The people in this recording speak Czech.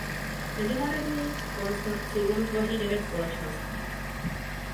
Mezinárodní konsorcium tvoří devět společností.